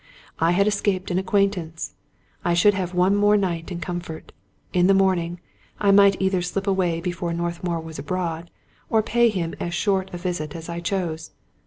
I had escaped an acquaintance ; I should have one more night in comfort. In the morning, I might either slip away before Northmour was abroad, or pay him as short a visit as I chose.